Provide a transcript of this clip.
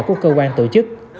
của cơ quan tổ chức